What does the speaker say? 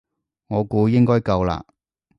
我估應該夠啦